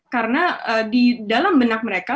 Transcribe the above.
karena di dalam benak mereka